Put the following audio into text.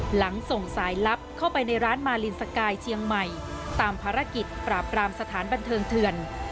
หลังส่งสายลับเข้าไปในร้านมาลินสกายเชียงใหม่ตามภารกิจปราบรามสถานบันเทิงเถื่อน